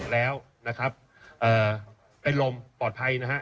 แล้วนะครับเป็นลมปลอดภัยนะฮะ